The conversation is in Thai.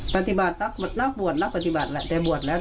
ปฏิบัตินักบวชนักปฏิบัติแต่บวชแล็ก